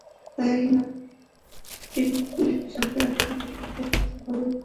তা-ই নয়, টিম্বারলেকের সঙ্গে এখনো ভালো সম্পর্ক আছে বলেই দাবি করলেন।